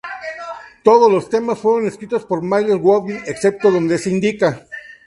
Todos los temas fueron escritos por Myles Goodwyn, excepto donde se indica.